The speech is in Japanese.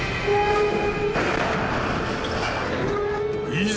いざ！